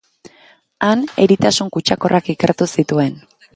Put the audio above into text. Han eritasun kutsakorrak ikertu zituen.